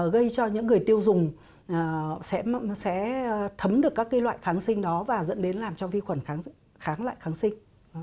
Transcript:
gây cho những người tiêu dùng sẽ thấm được các loại kháng sinh đó và dẫn đến làm cho vi khuẩn kháng lại kháng sinh